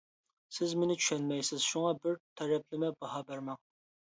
سىز مېنى چۈشەنمەيسىز، شۇڭا بىر تەرەپلىمە باھا بەرمەڭ.